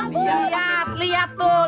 lihat lihat tuh